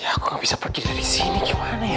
ya aku gak bisa pergi dari sini gimana ya